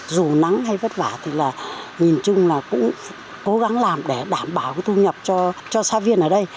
dù nắng hay vất vả nhìn chung là cũng cố gắng làm để đảm bảo thu nhập cho xa viên ở đây